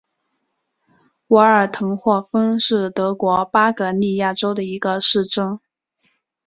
瓦尔滕霍芬是德国巴伐利亚州的一个市镇。